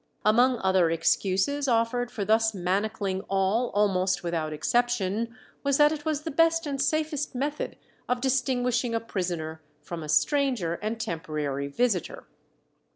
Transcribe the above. Among other excuses offered for thus manacling all almost without exception, was that it was the best and safest method of distinguishing a prisoner from a stranger and temporary visitor.